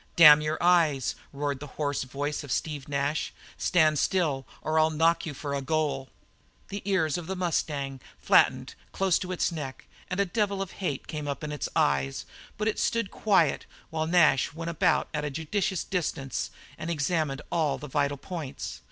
"Damn your eyes!" roared the hoarse voice of Steve Nash, "stand still or I'll knock you for a goal!" The ears of the mustang flattened close to its neck and a devil of hate came up in its eyes, but it stood quiet, while Nash went about at a judicious distance and examined all the vital points.